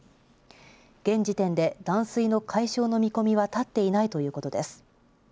現時点で断水の解消の見込みは立っていないということです。